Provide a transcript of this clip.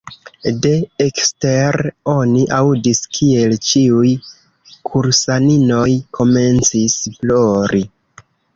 De ekstere oni aŭdis kiel ĉiuj kursaninoj komencis plori.